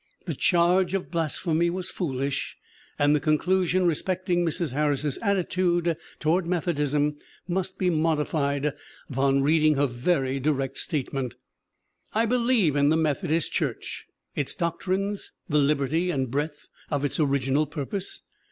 The charge of blas phemy was foolish and the conclusion respecting Mrs. Harris's attitude toward Methodism must be modified upon reading her very direct statement : "I believe in the Methodist church, its doctrines, the liberty and breadth of its original purpose.